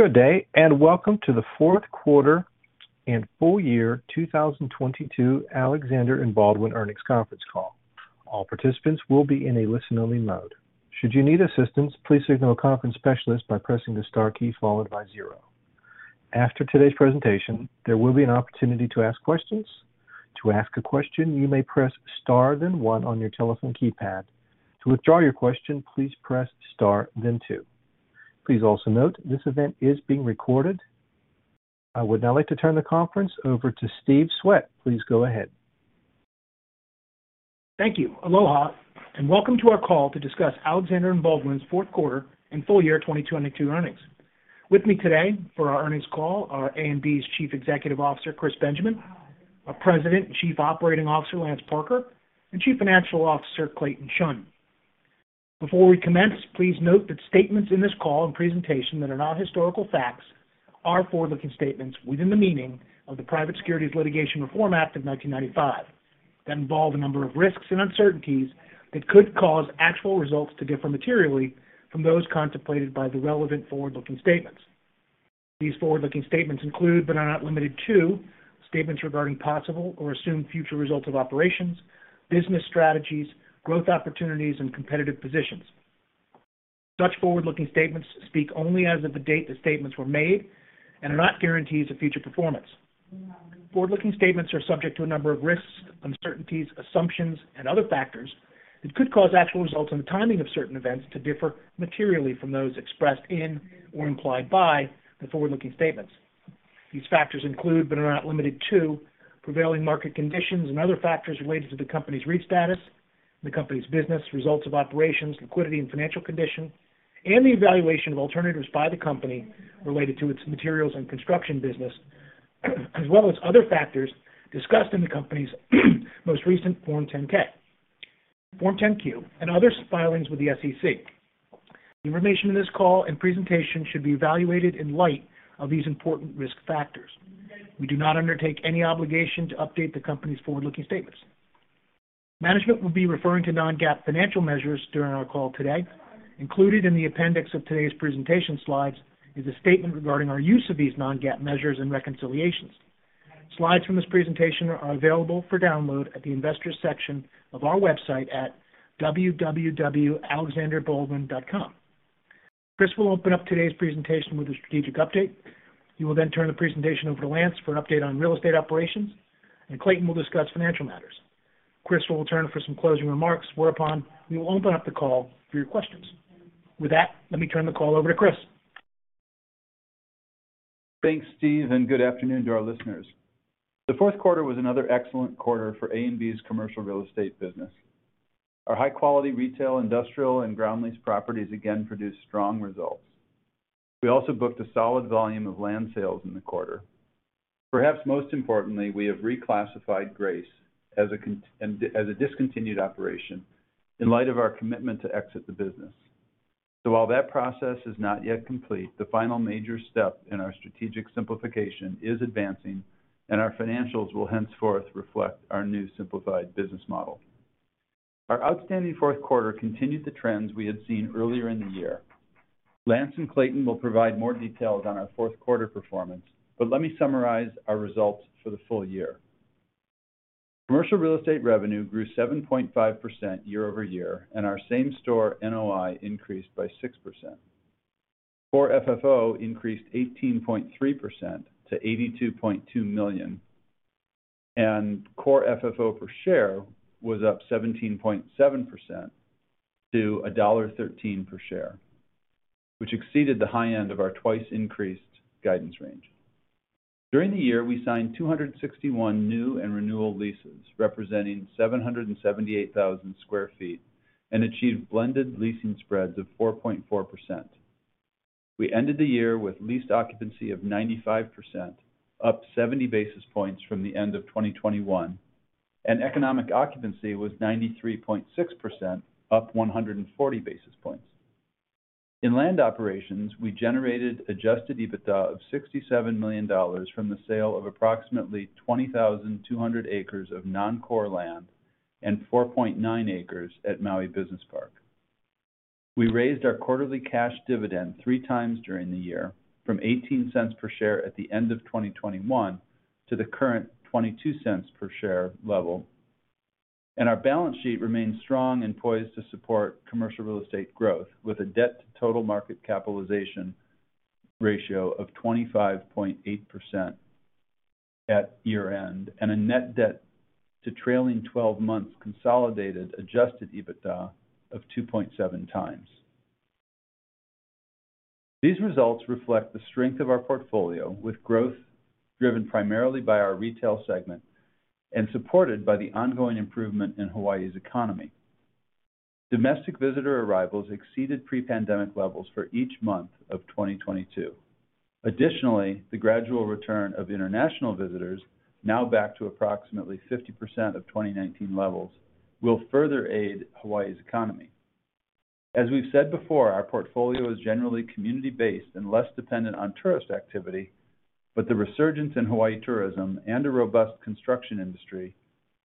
Good day, and welcome to the 4th quarter and full year 2022 Alexander & Baldwin earnings conference call. All participants will be in a listen-only mode. Should you need assistance, please signal a conference specialist by pressing the star key followed by 0. After today's presentation, there will be an opportunity to ask questions. To ask a question, you may press Star then 1 on your telephone keypad. To withdraw your question, please press Star then 2. Please also note this event is being recorded. I would now like to turn the conference over to Steve Swett. Please go ahead. Thank you. Aloha, and welcome to our call to discuss Alexander & Baldwin's Q4 and full year 2022 earnings. With me today for our earnings call are A&B's Chief Executive Officer, Chris Benjamin, our President and Chief Operating Officer, Lance Parker, and Chief Financial Officer, Clayton Chun. Before we commence, please note that statements in this call and presentation that are not historical facts are forward-looking statements within the meaning of the Private Securities Litigation Reform Act of 1995 that involve a number of risks and uncertainties that could cause actual results to differ materially from those contemplated by the relevant forward-looking statements. These forward-looking statements include, but are not limited to, statements regarding possible or assumed future results of operations, business strategies, growth opportunities, and competitive positions. Such forward-looking statements speak only as of the date the statements were made and are not guarantees of future performance. Forward-looking statements are subject to a number of risks, uncertainties, assumptions and other factors that could cause actual results and the timing of certain events to differ materially from those expressed in or implied by the forward-looking statements. These factors include, but are not limited to, prevailing market conditions and other factors related to the company's REIT status, the company's business, results of operations, liquidity and financial condition, and the evaluation of alternatives by the company related to its materials and construction business, as well as other factors discussed in the company's most recent Form 10-K, Form 10-Q and others filings with the SEC. The information in this call and presentation should be evaluated in light of these important risk factors. We do not undertake any obligation to update the company's forward-looking statements. Management will be referring to non-GAAP financial measures during our call today. Included in the appendix of today's presentation slides is a statement regarding our use of these non-GAAP measures and reconciliations. Slides from this presentation are available for download at the investors section of our website at www.alexanderbaldwin.com. Chris will open up today's presentation with a strategic update. He will then turn the presentation over to Lance for an update on real estate operations, and Clayton will discuss financial matters. Chris will return for some closing remarks, whereupon we will open up the call for your questions. With that, let me turn the call over to Chris. Thanks, Steve, and good afternoon to our listeners. The Q4 was another excellent quarter for A&B's commercial real estate business. Our high quality retail, industrial and ground lease properties again produced strong results. We also booked a solid volume of land sales in the quarter. Perhaps most importantly, we have reclassified Grace as a discontinued operation in light of our commitment to exit the business. While that process is not yet complete, the final major step in our strategic simplification is advancing, and our financials will henceforth reflect our new simplified business model. Our outstanding Q4 continued the trends we had seen earlier in the year. Lance and Clayton will provide more details on our Q4 performance, but let me summarize our results for the full year. Commercial real estate revenue grew 7.5% year-over-year, and our Same-Store NOI increased by 6%. Core FFO increased 18.3% to $82.2 million, and Core FFO per share was up 17.7% to $1.13 per share, which exceeded the high end of our twice increased guidance range. During the year, we signed 261 new and renewal leases representing 778,000 sq ft and achieved blended leasing spreads of 4.4%. We ended the year with leased occupancy of 95%, up 70 basis points from the end of 2021, and economic occupancy was 93.6%, up 140 basis points. In land operations, we generated adjusted EBITDA of $67 million from the sale of approximately 20,200 acres of non-core land and 4.9 acres at Maui Business Park. We raised our quarterly cash dividend 3 times during the year from $0.18 per share at the end of 2021 to the current $0.22 per share level. Our balance sheet remains strong and poised to support commercial real estate growth with a debt to total market capitalization ratio of 25.8% at year-end and a net debt to trailing twelve months consolidated adjusted EBITDA of 2.7 times. These results reflect the strength of our portfolio with growth driven primarily by our retail segment and supported by the ongoing improvement in Hawai'i's economy. Domestic visitor arrivals exceeded pre-pandemic levels for each month of 2022. Additionally, the gradual return of international visitors, now back to approximately 50% of 2019 levels, will further aid Hawai'i's economy. As we've said before, our portfolio is generally community-based and less dependent on tourist activity, but the resurgence in Hawai'i tourism and a robust construction industry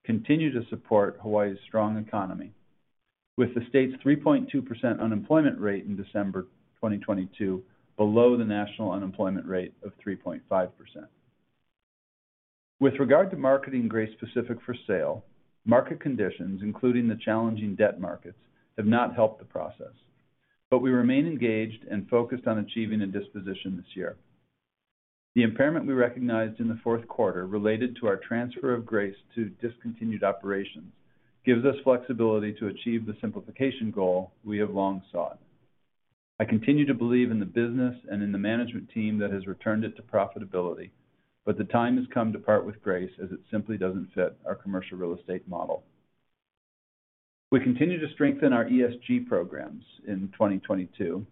continue to support Hawai'i's strong economy, with the state's 3.2% unemployment rate in December 2022 below the national unemployment rate of 3.5%. With regard to marketing Grace Pacific for sale, market conditions, including the challenging debt markets, have not helped the process. We remain engaged and focused on achieving a disposition this year. The impairment we recognized in the Q4 related to our transfer of Grace to discontinued operations gives us flexibility to achieve the simplification goal we have long sought. I continue to believe in the business and in the management team that has returned it to profitability. The time has come to part with Grace as it simply doesn't fit our commercial real estate model. We continue to strengthen our ESG programs in 2022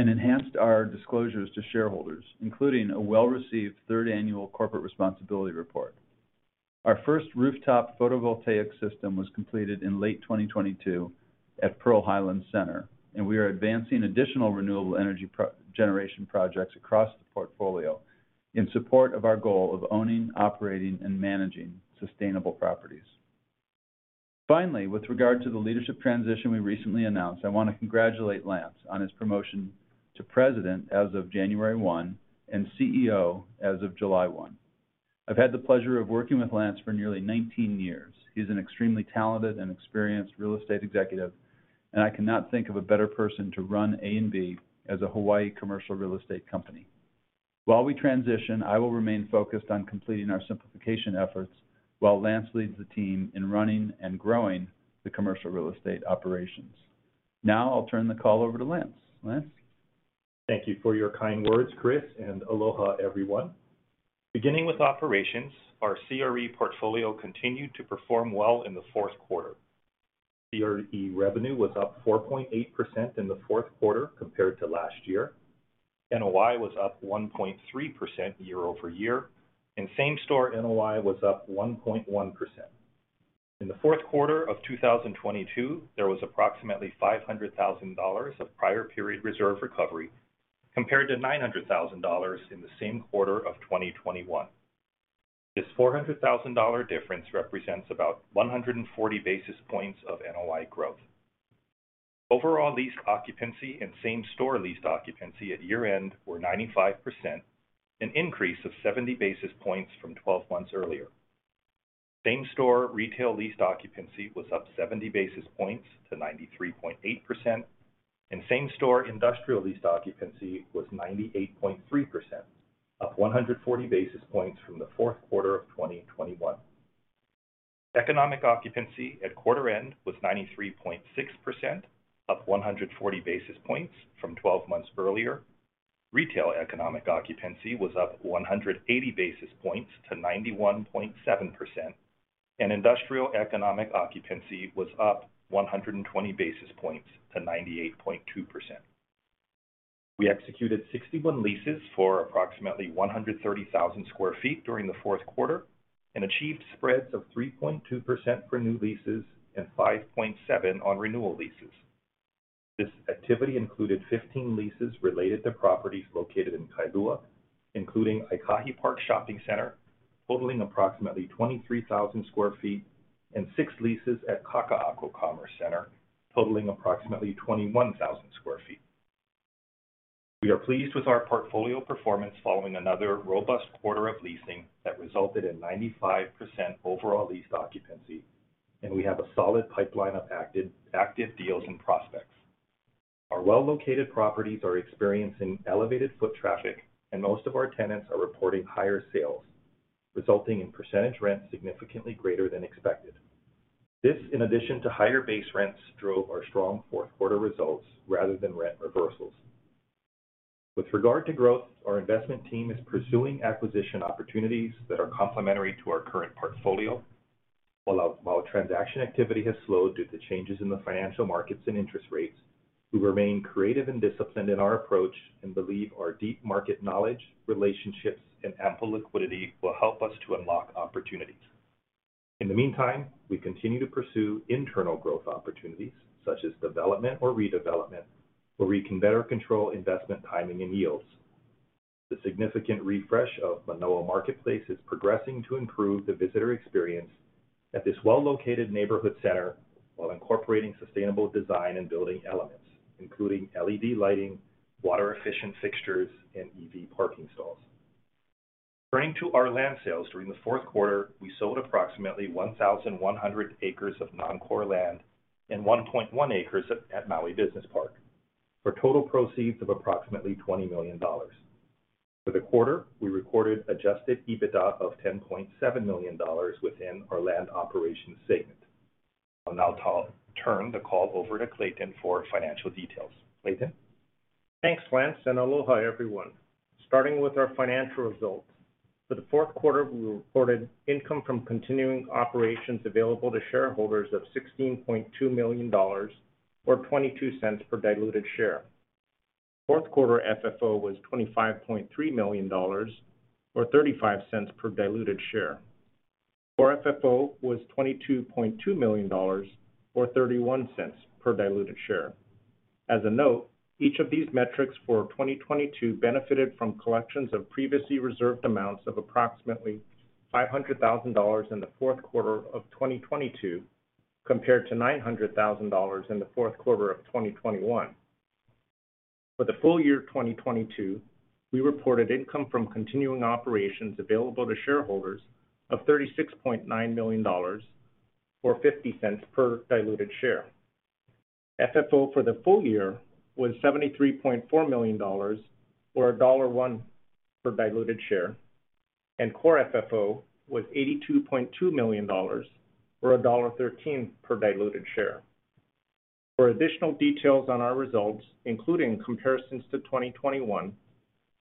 and enhanced our disclosures to shareholders, including a well-received 3rd annual corporate responsibility report. Our first rooftop photovoltaic system was completed in late 2022 at Pearl Highlands Center, and we are advancing additional renewable energy generation projects across the portfolio in support of our goal of owning, operating, and managing sustainable properties. Finally, with regard to the leadership transition we recently announced, I wanna congratulate Lance on his promotion to President as of January 1 and CEO as of July 1. I've had the pleasure of working with Lance for nearly 19 years. He's an extremely talented and experienced real estate executive, and I cannot think of a better person to run A&B as a Hawai'i commercial real estate company. While we transition, I will remain focused on completing our simplification efforts while Lance leads the team in running and growing the commercial real estate operations. Now I'll turn the call over to Lance. Lance? Thank you for your kind words, Chris, and aloha, everyone. Beginning with operations, our CRE portfolio continued to perform well in the Q4. CRE revenue was up 4.8% in the Q4 compared to last year. NOI was up 1.3% year-over-year, and Same-Store NOI was up 1.1%. In the Q4 of 2022, there was approximately $500,000 of prior period reserve recovery compared to $900,000 in the same quarter of 2021. This $400,000 difference represents about 140 basis points of NOI growth. Overall leased occupancy and Same-Store leased occupancy at year-end were 95%, an increase of 70 basis points from 12 months earlier. Same-store retail leased occupancy was up 70 basis points to 93.8%, and same-store industrial leased occupancy was 98.3%, up 140 basis points from the Q4 of 2021. Economic occupancy at quarter end was 93.6%, up 140 basis points from 12 months earlier. Retail economic occupancy was up 180 basis points to 91.7%, and industrial economic occupancy was up 120 basis points to 98.2%. We executed 61 leases for approximately 130,000 sq ft during the Q4 and achieved spreads of 3.2% for new leases and 5.7% on renewal leases. This activity included 15 leases related to properties located in Kailua, including Aikahi Park Shopping Center, totaling approximately 23,000 sq ft, and 6 leases at Kakaako Commerce Center, totaling approximately 21,000 sq ft. We are pleased with our portfolio performance following another robust quarter of leasing that resulted in 95% overall leased occupancy, and we have a solid pipeline of active deals and prospects. Our well-located properties are experiencing elevated foot traffic, and most of our tenants are reporting higher sales, resulting in percentage rents significantly greater than expected. This, in addition to higher base rents, drove our strong Q4 results rather than rent reversals. With regard to growth, our investment team is pursuing acquisition opportunities that are complementary to our current portfolio. While transaction activity has slowed due to changes in the financial markets and interest rates, we remain creative and disciplined in our approach and believe our deep market knowledge, relationships, and ample liquidity will help us to unlock opportunities. In the meantime, we continue to pursue internal growth opportunities, such as development or redevelopment, where we can better control investment timing and yields. The significant refresh of Manoa Marketplace is progressing to improve the visitor experience at this well-located neighborhood center while incorporating sustainable design and building elements, including LED lighting, water-efficient fixtures, and EV parking stalls. Turning to our land sales, during the Q4, we sold approximately 1,100 acres of non-core land and 1.1 acres at Maui Business Park, for total proceeds of approximately $20 million. For the quarter, we recorded adjusted EBITDA of $10.7 million within our land operations segment. I'll now turn the call over to Clayton for financial details. Clayton? Thanks, Lance. Aloha, everyone. Starting with our financial results, for the Q4, we reported income from continuing operations available to shareholders of $16.2 million or $0.22 per diluted share. Q4 FFO was $25.3 million or $0.35 per diluted share. Our FFO was $22.2 million or $0.31 per diluted share. As a note, each of these metrics for 2022 benefited from collections of previously reserved amounts of approximately $500,000 in the Q4 of 2022, compared to $900,000 in the Q4 of 2021. For the full year 2022, we reported income from continuing operations available to shareholders of $36.9 million, or $0.50 per diluted share. FFO for the full year was $73.4 million, or $1.01 per diluted share. Core FFO was $82.2 million, or $1.13 per diluted share. For additional details on our results, including comparisons to 2021,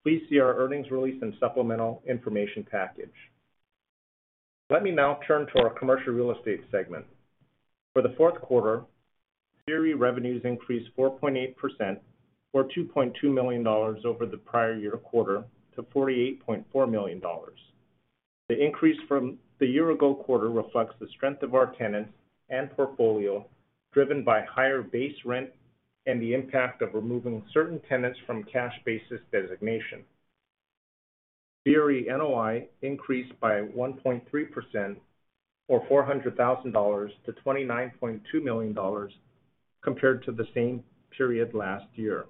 please see our earnings release and supplemental information package. Let me now turn to our commercial real estate segment. For the Q4, CRE revenues increased 4.8%, or $2.2 million, over the prior year quarter to $48.4 million. The increase from the year ago quarter reflects the strength of our tenants and portfolio, driven by higher base rent and the impact of removing certain tenants from cash basis designation. CRE NOI increased by 1.3%, or $400,000, to $29.2 million compared to the same period last year.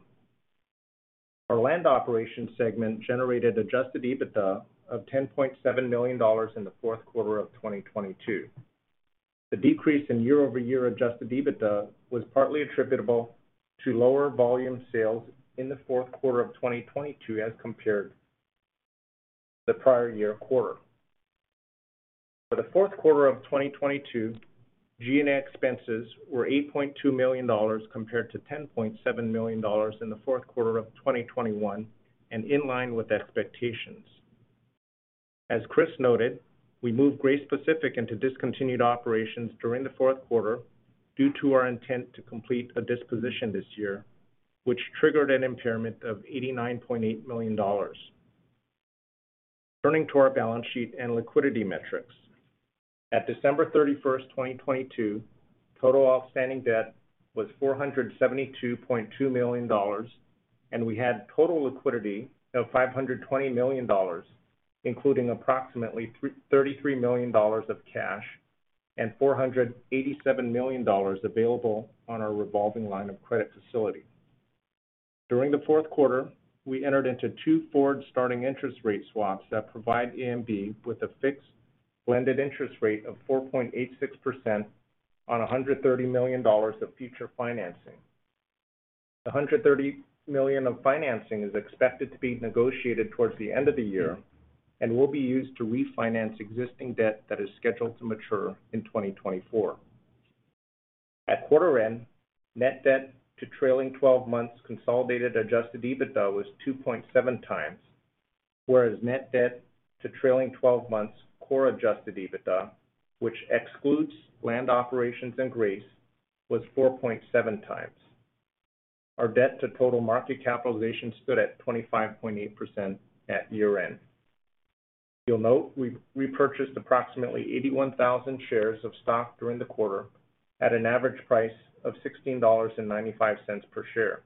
Our land operations segment generated Adjusted EBITDA of $10.7 million in the Q4 of 2022. The decrease in year-over-year Adjusted EBITDA was partly attributable to lower volume sales in the Q4 of 2022 as compared the prior year quarter. For the Q4 of 2022, G&A expenses were $8.2 million, compared to $10.7 million in the Q4 of 2021 and in line with expectations. As Chris noted, we moved Grace Pacific into discontinued operations during the Q4 due to our intent to complete a disposition this year, which triggered an impairment of $89.8 million. Turning to our balance sheet and liquidity metrics. At December 31st, 2022, total outstanding debt was $472.2 million, and we had total liquidity of $520 million, including approximately $33 million of cash and $487 million available on our revolving line of credit facility. During the Q4, we entered into 2 forward starting interest rate swaps that provide A&B with a fixed blended interest rate of 4.86% on $130 million of future financing. $130 million of financing is expected to be negotiated towards the end of the year and will be used to refinance existing debt that is scheduled to mature in 2024. At quarter end, net debt to trailing 12 months consolidated adjusted EBITDA was 2.7 times, whereas net debt to trailing 12 months core adjusted EBITDA, which excludes land operations in Grace Pacific, was 4.7 times. Our debt to total market capitalization stood at 25.8% at year-end. You'll note we repurchased approximately 81,000 shares of stock during the quarter at an average price of $16.95 per share.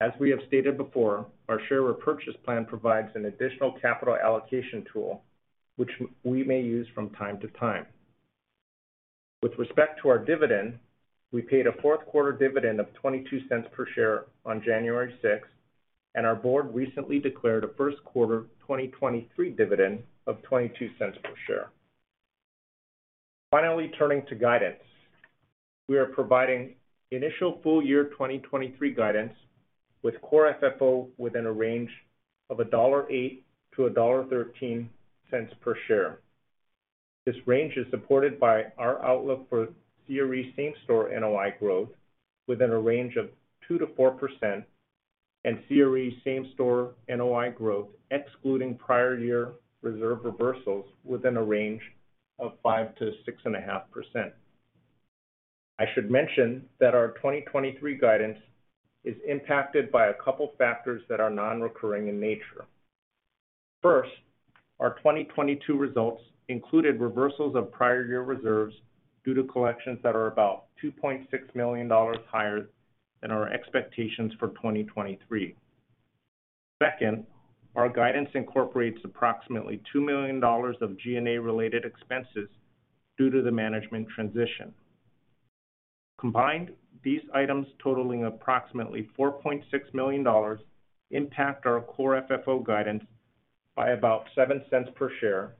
As we have stated before, our share repurchase plan provides an additional capital allocation tool which we may use from time to time. With respect to our dividend, we paid a Q4 dividend of $0.22 per share on January 6th, and our board recently declared a Q1 2023 dividend of $0.22 per share. Finally, turning to guidance. We are providing initial full year 2023 guidance with Core FFO within a range of $1.08-$1.13 per share. This range is supported by our outlook for CRE Same-Store NOI growth within a range of 2%-4% and CRE Same-Store NOI growth excluding prior year reserve reversals within a range of 5%-6.5%. I should mention that our 2023 guidance is impacted by a couple factors that are non-recurring in nature. First, our 2022 results included reversals of prior year reserves due to collections that are about $2.6 million higher than our expectations for 2023. Second, our guidance incorporates approximately $2 million of G&A-related expenses due to the management transition. Combined, these items totaling approximately $4.6 million impact our Core FFO guidance by about $0.07 per share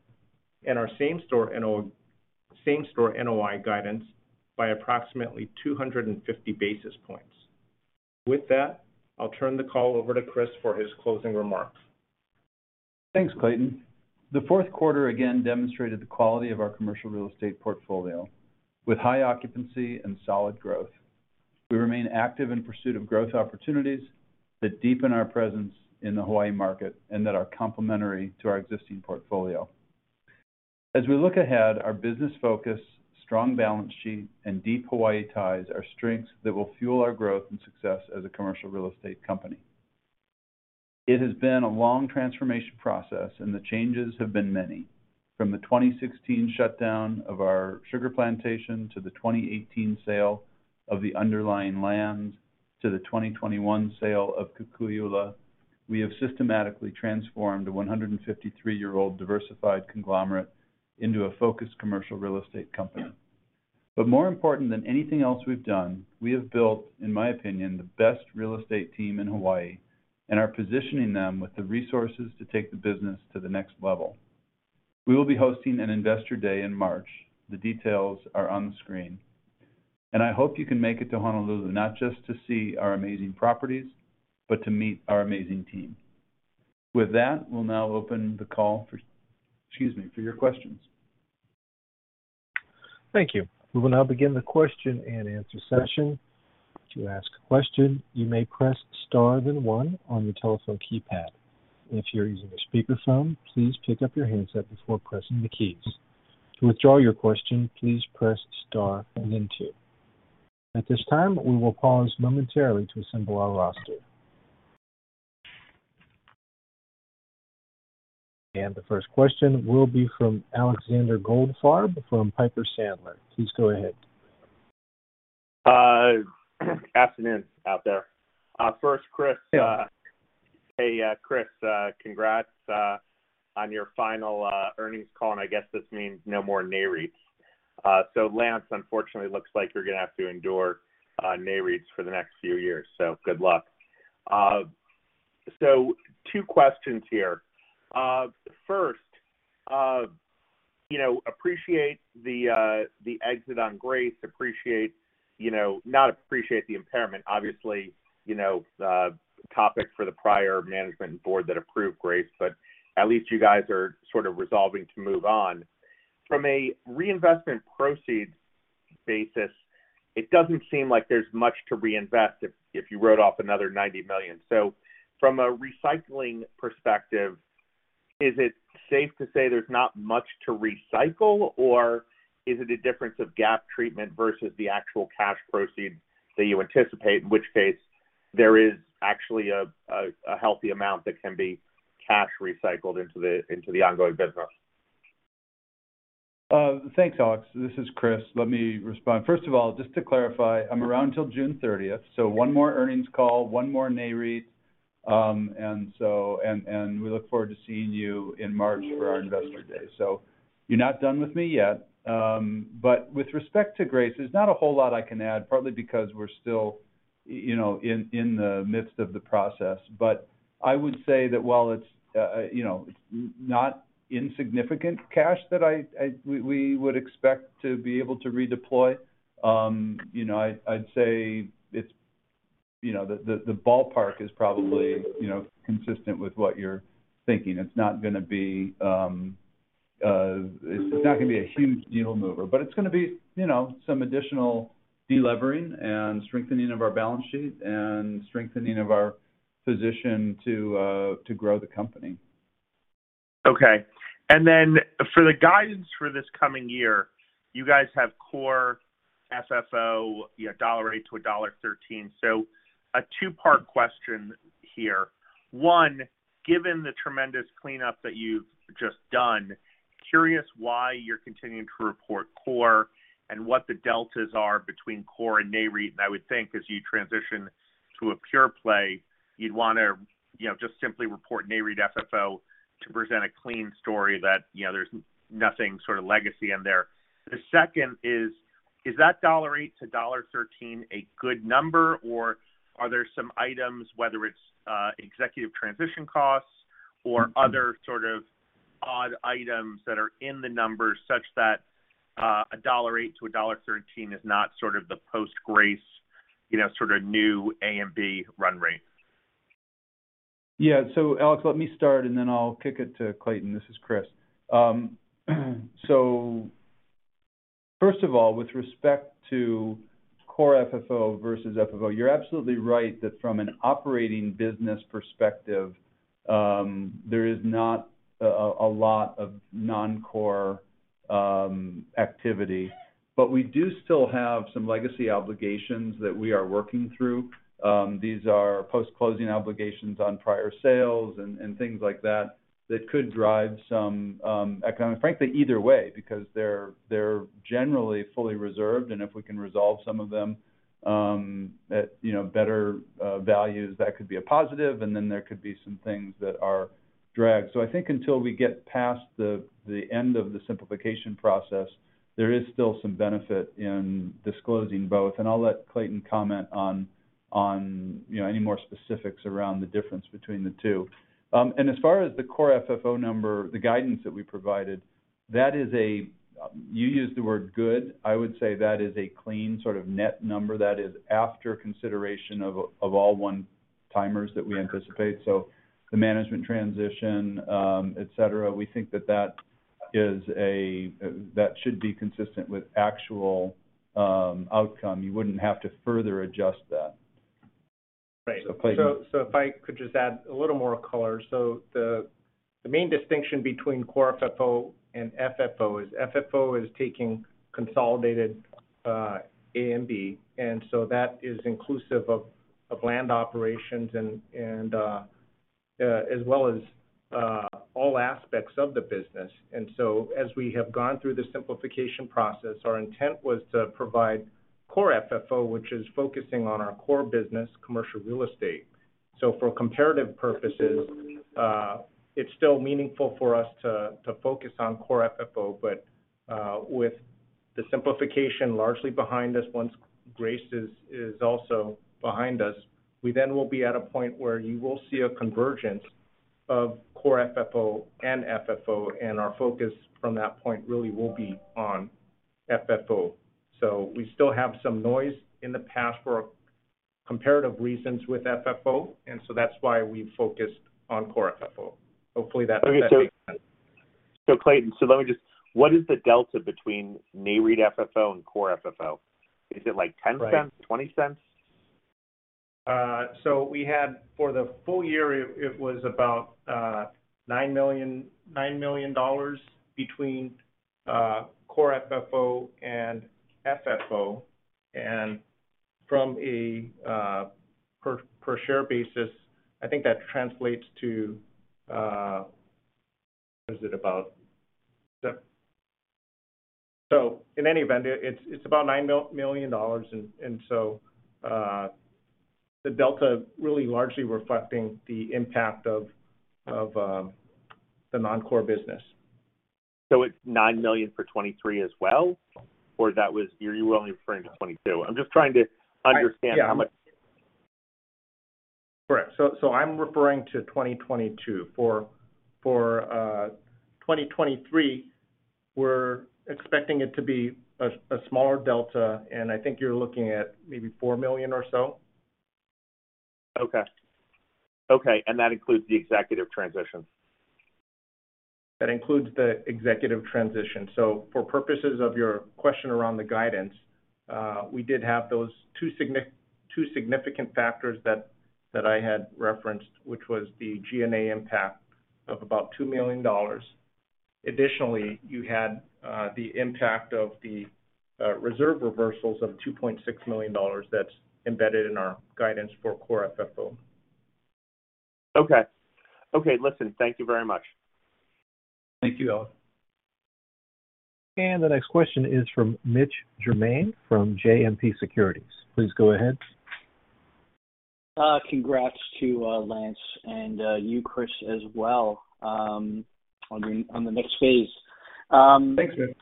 and our Same-Store NOI guidance by approximately 250 basis points. With that, I'll turn the call over to Chris for his closing remarks. Thanks, Clayton. The Q4 again demonstrated the quality of our commercial real estate portfolio with high occupancy and solid growth. We remain active in pursuit of growth opportunities that deepen our presence in the Hawai'i market and that are complementary to our existing portfolio. As we look ahead, our business focus, strong balance sheet, and deep Hawai'i ties are strengths that will fuel our growth and success as a commercial real estate company. It has been a long transformation process, and the changes have been many. From the 2016 shutdown of our sugar plantation to the 2018 sale of the underlying land, to the 2021 sale of Kukui'ula, we have systematically transformed a 153-year-old diversified conglomerate into a focused commercial real estate company. More important than anything else we've done, we have built, in my opinion, the best real estate team in Hawai'i and are positioning them with the resources to take the business to the next level. We will be hosting an investor day in March. The details are on the screen. I hope you can make it to Honolulu, not just to see our amazing properties, but to meet our amazing team. With that, we'll now open the call for, excuse me, for your questions. Thank you. We will now begin the Q&A session. To ask a question, you may press star then one on your telephone keypad. If you're using a speakerphone, please pick up your handset before pressing the keys. To withdraw your question, please press star and then 2. At this time, we will pause momentarily to assemble our roster. The first question will be from Alexander Goldfarb, from Piper Sandler. Please go ahead. Afternoon out there. First, Chris, hey, Chris, congrats on your final earnings call. I guess this means no more NAREIT. Lance, unfortunately, looks like you're gonna have to endure NAREITs for the next few years, so good luck. 2 questions here. First, you know, appreciate the exit on Grace. Appreciate, not appreciate the impairment, obviously, you know, topic for the prior management board that approved Grace, but at least you guys are sort of resolving to move on. From a reinvestment proceeds basis, it doesn't seem like there's much to reinvest if you wrote off another $90 million. From a recycling perspective, is it safe to say there's not much to recycle, or is it a difference of GAAP treatment versus the actual cash proceeds that you anticipate, in which case there is actually a healthy amount that can be cash recycled into the ongoing business? Thanks, Alex. This is Chris. Let me respond. First of all, just to clarify, I'm around till June 30th, so one more earnings call, one more NAREIT. We look forward to seeing you in March for our investor day. You're not done with me yet. With respect to Grace, there's not a whole lot I can add, partly because we're still, you know, in the midst of the process. I would say that while it's, you know, not insignificant cash that I we would expect to be able to redeploy, you know, I'd say it's, you know, the ballpark is probably, you know, consistent with what you're thinking. It's not gonna be a huge needle mover, but it's gonna be, you know, some additional de-levering and strengthening of our balance sheet and strengthening of our position to grow the company. Okay. For the guidance for this coming year, you guys have Core FFO, you know, $1.08 to $1.13. A 2-part question here. One, given the tremendous cleanup that you've just done, curious why you're continuing to report Core and what the deltas are between Core and Nareit. I would think as you transition to a pure play, you'd wanna, you know, just simply report Nareit FFO to present a clean story that, you know, there's nothing sort of legacy in there. The second is that $1.08 to $1.13 a good number, or are there some items, whether it's executive transition costs or other sort of odd items that are in the numbers such that $1.08 to $1.13 is not sort of the post-Grace, you know, sort of new A&B run rate? Alex, let me start, and then I'll kick it to Clayton. This is Chris. First of all, with respect to Core FFO versus FFO, you're absolutely right that from an operating business perspective, there is not a lot of non-core activity. We do still have some legacy obligations that we are working through. These are post-closing obligations on prior sales and things like that that could drive some economic, frankly, either way because they're generally fully reserved, and if we can resolve some of them, at, you know, better values, that could be a positive, and then there could be some things that are dragged. I think until we get past the end of the simplification process, there is still some benefit in disclosing both. I'll let Clayton comment on, you know, any more specifics around the difference between the 2. As far as the Core FFO number, the guidance that we provided, you used the word good. I would say that is a clean sort of net number. That is after consideration of all one-timers that we anticipate. The management transition, et cetera, we think that should be consistent with actual outcome. You wouldn't have to further adjust that. Right. So Clayton- If I could just add a little more color. The main distinction between Core FFO and FFO is FFO is taking consolidated A&B, and that is inclusive of land operations and as well as all aspects of the business. As we have gone through the simplification process, our intent was to provide Core FFO, which is focusing on our core business, commercial real estate. For comparative purposes, it's still meaningful for us to focus on Core FFO. With the simplification largely behind us, once Grace is also behind us, we then will be at a point where you will see a convergence of Core FFO and FFO, and our focus from that point really will be on FFO. We still have some noise in the past for comparative reasons with FFO, and so that's why we focused on Core FFO. Hopefully, that makes sense. Clayton, what is the delta between Nareit FFO and Core FFO? Is it like $0.10, $0.20? We had for the full year, it was about $9 million between Core FFO and FFO. From a per share basis, I think that translates to. So in any event, it's about $9 million. The delta really largely reflecting the impact of the non-core business. It's $9 million for 2023 as well, or that you were only referring to 2022? I'm just trying to understand how much... Yeah. Correct. I'm referring to 2022. For 2023, we're expecting it to be a smaller delta, and I think you're looking at maybe $4 million or so. Okay. Okay, that includes the executive transition. That includes the executive transition. For purposes of your question around the guidance, we did have those 2 significant factors that I had referenced, which was the G&A impact of about $2 million. Additionally, you had the impact of the reserve reversals of $2.6 million that's embedded in our guidance for Core FFO. Okay. Okay, listen. Thank you very much. Thank you, Alex. The next question is from Mitch Germain from JMP Securities. Please go ahead. Congrats to Lance, and you Chris as well, on the next phase. Thanks, Mitch.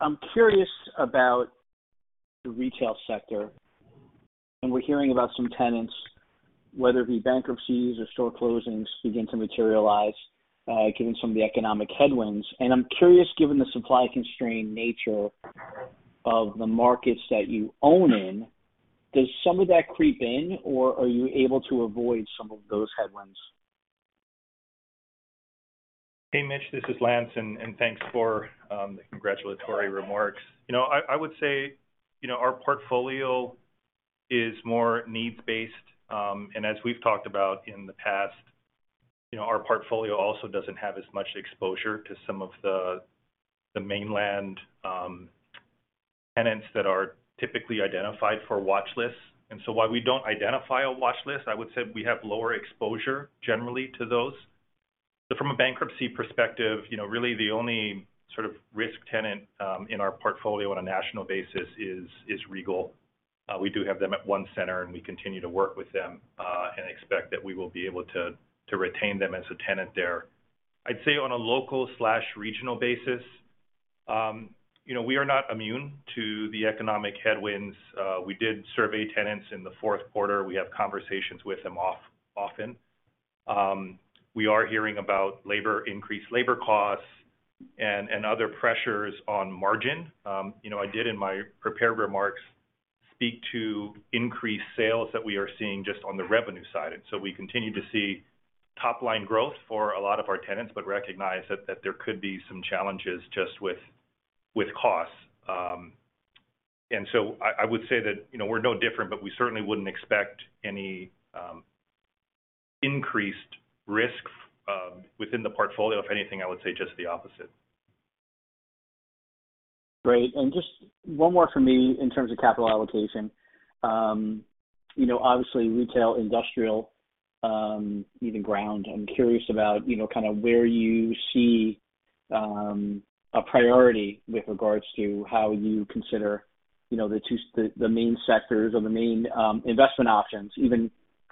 I'm curious about the retail sector, and we're hearing about some tenants, whether it be bankruptcies or store closings begin to materialize, given some of the economic headwinds. I'm curious, given the supply constraint nature of the markets that you own in, does some of that creep in, or are you able to avoid some of those headwinds? Hey, Mitch, this is Lance, and thanks for the congratulatory remarks. You know, I would say, you know, our portfolio is more needs-based. As we've talked about in the past, you know, our portfolio also doesn't have as much exposure to some of the mainland tenants that are typically identified for watch lists. While we don't identify a watch list, I would say we have lower exposure generally to those. From a bankruptcy perspective, you know, really the only sort of risk tenant in our portfolio on a national basis is Regal. We do have them at one center, and we continue to work with them and expect that we will be able to retain them as a tenant there. I'd say on a local/regional basis, you know, we are not immune to the economic headwinds. We did survey tenants in the Q4. We have conversations with them often. We are hearing about increased labor costs and other pressures on margin. You know, I did in my prepared remarks speak to increased sales that we are seeing just on the revenue side. We continue to see top-line growth for a lot of our tenants, but recognize that there could be some challenges just with costs. I would say that, you know, we're no different, but we certainly wouldn't expect any increased risk within the portfolio. If anything, I would say just the opposite. Great. Just one more for me in terms of capital allocation. You know, obviously retail, industrial, even ground. I'm curious about, you know, kind of where you see, a priority with regards to how you consider, you know, the main sectors or the main investment options, even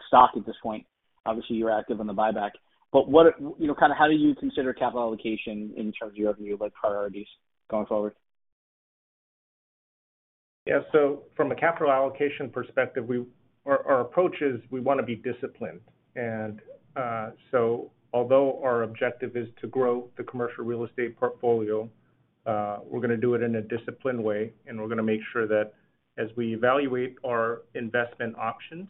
stock at this point. Obviously, you're active on the buyback, but you know, kind of how do you consider capital allocation in terms of your, like, priorities going forward? Yeah. From a capital allocation perspective, our approach is we want to be disciplined. Although our objective is to grow the commercial real estate portfolio, we're gonna do it in a disciplined way, and we're gonna make sure that as we evaluate our investment options,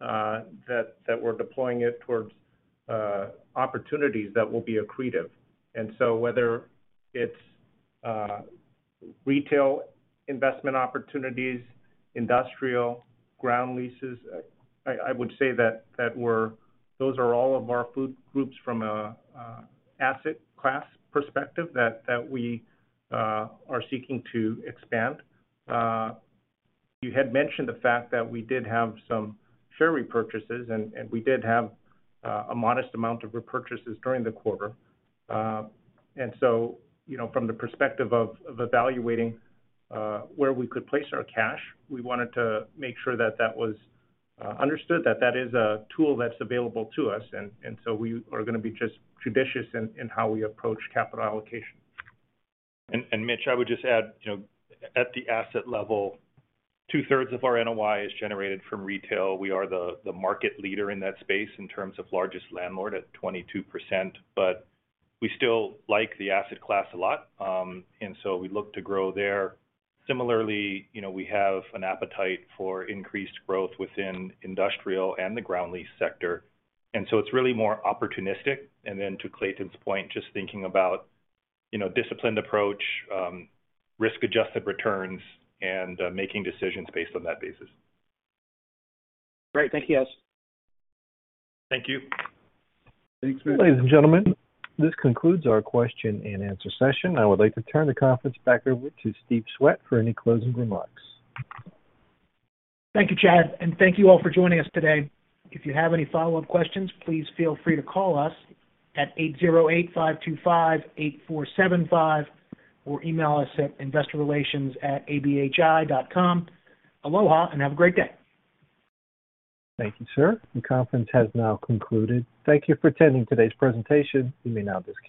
that we're deploying it towards opportunities that will be accretive. Whether it's retail investment opportunities, industrial ground leases. I would say that those are all of our food groups from a asset class perspective that we are seeking to expand. You had mentioned the fact that we did have some share repurchases, and we did have a modest amount of repurchases during the quarter. You know, from the perspective of evaluating, where we could place our cash, we wanted to make sure that that was understood that that is a tool that's available to us. We are gonna be just judicious in how we approach capital allocation. Mitch, I would just add, you know, at the asset level, 2/3 of our NOI is generated from retail. We are the market leader in that space in terms of largest landlord at 22%, we still like the asset class a lot. Similarly, you know, we have an appetite for increased growth within industrial and the ground lease sector. It's really more opportunistic. To Clayton's point, just thinking about, you know, disciplined approach, risk-adjusted returns, and making decisions based on that basis. Great. Thank you guys. Thank you. Thanks. Ladies and gentlemen, this concludes our Q&A session. I would like to turn the conference back over to Steve Swett for any closing remarks. Thank you, Chad, and thank you all for joining us today. If you have any follow-up questions, please feel free to call us at 808-525-8475, or email us at investorrelations@alexanderbaldwin.com. Aloha, and have a great day. Thank you, sir. The conference has now concluded. Thank you for attending today's presentation. You may now disconnect.